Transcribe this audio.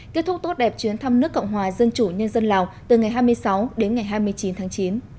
kết thúc tốt đẹp chuyến thăm nước cộng hòa dân chủ nhân dân lào từ ngày hai mươi sáu đến ngày hai mươi chín tháng chín